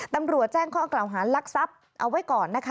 ตำรวจแจ้งข้อกล่าวหาลักทรัพย์เอาไว้ก่อนนะคะ